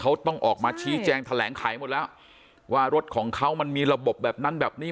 เขาต้องออกมาชี้แจงแถลงไขหมดแล้วว่ารถของเขามันมีระบบแบบนั้นแบบนี้